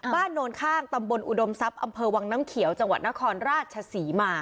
โนนข้างตำบลอุดมทรัพย์อำเภอวังน้ำเขียวจังหวัดนครราชศรีมา